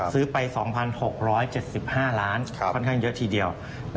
ซื้อไป๒๖๗๕ล้านค่อนข้างเยอะทีเดียว